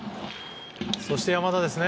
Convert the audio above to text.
そして山田。